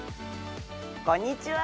こんにちは。